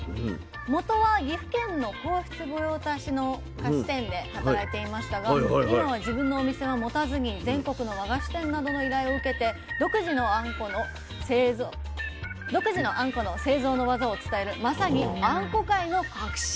元は岐阜県の皇室御用達の菓子店で働いていましたが今は自分のお店は持たずに全国の和菓子店などの依頼を受けて独自のあんこの製造の技を伝えるまさにあんこ界の革新者なんですね。